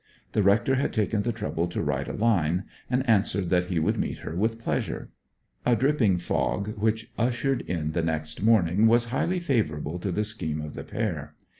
The rector had taken the trouble to write a line, and answered that he would meet her with pleasure. A dripping fog which ushered in the next morning was highly favourable to the scheme of the pair.